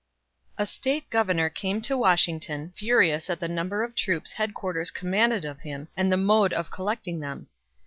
A State governor came to Washington, furious at the number of troops headquarters commanded of him and the mode of collecting them.